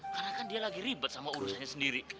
karena kan dia lagi ribet sama urusannya sendiri